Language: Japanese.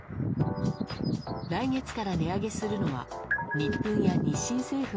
来月から値上げするのはニップンや日清製粉